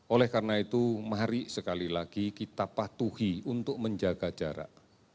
oleh karena itu mari sekali lagi kita patuhi untuk menjaga jarak